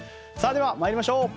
では、まいりましょう。